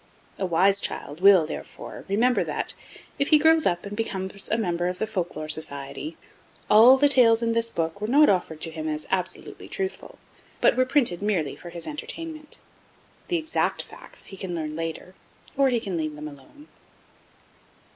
A wise child will, therefore, remember that, if he grows up and becomes a member of the Folk Lore Society, ALL the tales in this book were not offered to him as absolutely truthful, but were printed merely for his entertainment. The exact facts he can learn later, or he can leave them alone.